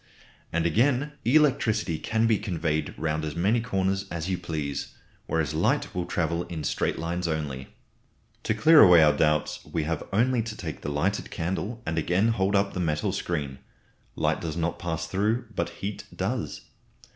And again, electricity can be conveyed round as many corners as you please, whereas light will travel in straight lines only. To clear away our doubts we have only to take the lighted candle and again hold up the metal screen. Light does not pass through, but heat does.